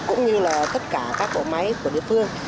cũng như là tất cả các tổ máy của địa phương